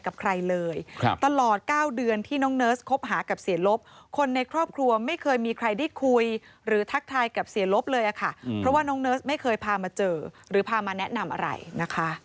แต่เราก็เสียใจลูกเราน่ะลูกใครแก่ก็รัก